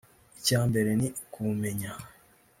Icya mbere ni ukubumenya